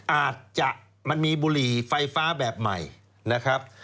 อาจจะมันมีบุหรี่ไฟฟ้าแบบใหม่นะครับ